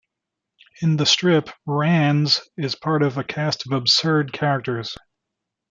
In the strip, "Rands" is part of a cast of absurd characters.